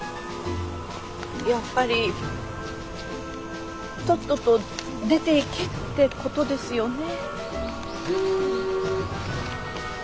やっぱりとっとと出ていけってことですよね。